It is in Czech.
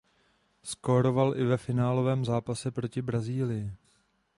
Skóroval i ve finálovém zápase proti Brazílii.